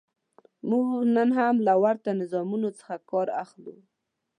موږ نن هم له ورته نظامونو څخه کار اخلو.